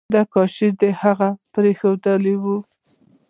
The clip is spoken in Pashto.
ای کاش چي هغه مو پريښی وو!